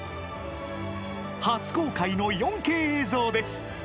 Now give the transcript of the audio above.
初公開の４Ｋ映像です。